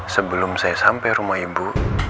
sebelum saya sampai rumah ibu